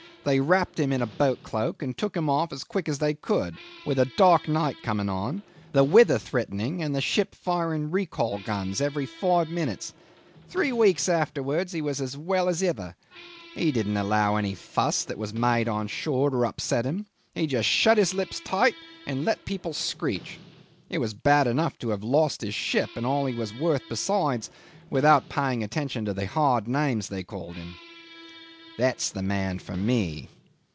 They wrapped him in a boat cloak and took him off as quick as they could, with a dark night coming on, the weather threatening, and the ship firing recall guns every five minutes. Three weeks afterwards he was as well as ever. He didn't allow any fuss that was made on shore to upset him; he just shut his lips tight, and let people screech. It was bad enough to have lost his ship, and all he was worth besides, without paying attention to the hard names they called him. That's the man for me."